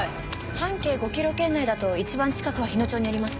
半径５ｋｍ圏内だと一番近くは日野町にあります。